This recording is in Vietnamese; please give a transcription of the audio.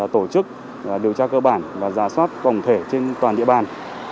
tổ chức điều tra cơ bản và giả soát tổng thể trên toàn địa bàn